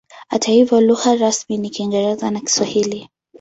Hata hivyo lugha rasmi ni Kiingereza na Kiswahili.